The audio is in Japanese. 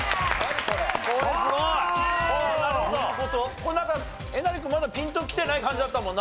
これえなり君まだピンときてない感じだったもんな。